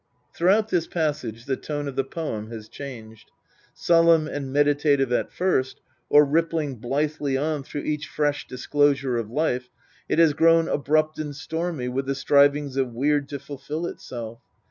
Throughout this passage the tone of the poem has changed. Solemn and meditative at first, or rippling blithely on through each fresh disclosure of life, it has grown abrupt and stormy with the strivings of Weird to fulfil itself.